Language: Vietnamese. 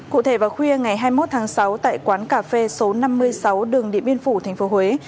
cụ thể vào khuya ngày hai mươi một tháng sáu tại quán cà phê số năm mươi sáu đường điện biên phủ tp huế